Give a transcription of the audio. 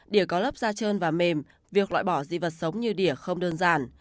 đỉa có lớp da trơn và mềm việc loại bỏ dị vật sống như đỉa không đơn giản